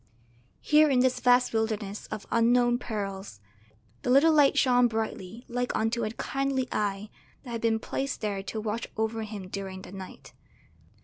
Here in this vast wilderness of unknown perils the little light shone brightly like unto a kindly eye that had been placed there to watch over him during the night.